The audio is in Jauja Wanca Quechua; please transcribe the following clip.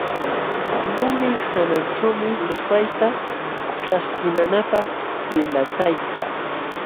Lumi hananćhuumi lupayta ćhaskinanapq pillatayka.